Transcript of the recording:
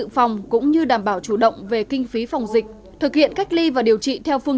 phòng cũng như đảm bảo chủ động về kinh phí phòng dịch thực hiện cách ly và điều trị theo phương